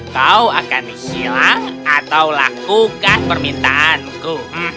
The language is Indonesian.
kau akan disilang atau lakukan permintaanku